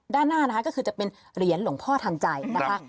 ด้านหน้านะคะก็คือจะเป็นเหรียญหลวงพ่อทันใจนะคะ